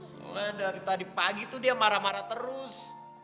soalnya dari tadi pagi tuh dia marah marah terus